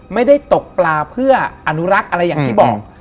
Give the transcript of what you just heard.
ไม่ได้ตกปลาเพื่ออนุรักษ์อะไรอย่างที่บอก